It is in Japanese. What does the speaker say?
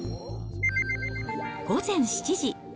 午前７時。